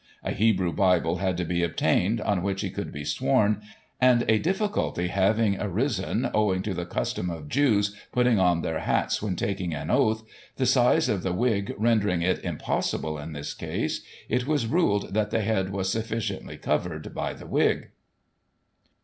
A Hebrew bible had to be obtained, on which he could be sworn, and a difficulty having arisen, owing to the custom of Jews putting on their hats when taking an oath, the size of the wig rendering it impossible in this case, it was ruled that the head was sufficiently covered by the wig.